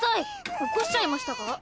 起こしちゃいましたか？